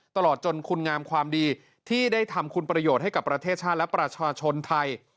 ตลอดจนคุณงามความดีที่ได้ทำคุณประโยชน์ให้กับประเทศชาติและประชาชนไทย